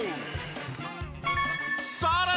さらに。